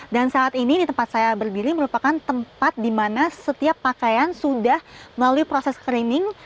dan saat ini di tempat saya berdiri merupakan tempat dimana setiap pakaian sudah melalui proses screening